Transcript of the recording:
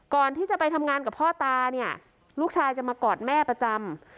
ก่อนที่จะไปทำงานกับพ่อตาเนี่ยลูกชายจะมากอดแม่ประจำ